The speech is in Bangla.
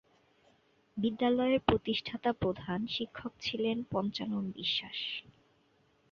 বিদ্যালয়ের প্রতিষ্ঠাতা প্রধান শিক্ষক ছিলেন পঞ্চানন বিশ্বাস।